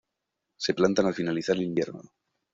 Se plantan al finalizar el invierno.